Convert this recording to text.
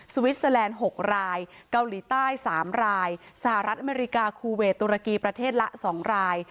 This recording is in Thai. วิสเตอร์แลนด์๖รายเกาหลีใต้๓รายสหรัฐอเมริกาคูเวทตุรกีประเทศละ๒ราย